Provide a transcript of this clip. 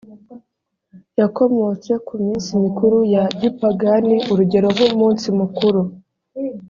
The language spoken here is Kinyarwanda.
yakomotse ku minsi mikuru ya gipagani urugero nk umunsi mukuru